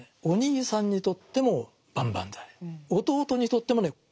お兄さんにとっても万々歳弟にとってもね